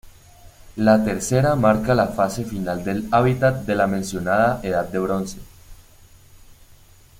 La tercera marca la fase final del hábitat de la mencionada Edad del Bronce.